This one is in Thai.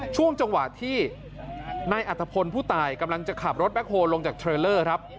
ช่วงจังหวะที่นายอัตภพลผู้ตายกำลังจะขับรถแบ็คโฮลลงจากเทรลเลอร์ครับ